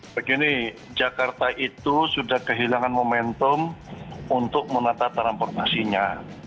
begini jakarta itu sudah kehilangan momentum untuk menata transportasinya